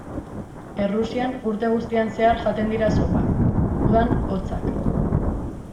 Errusian urte guztian zehar jaten dira zopak, udan hotzak.